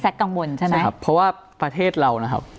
แซคกลางบนใช่มั้ยเพราะว่าประเทศเรานะครับ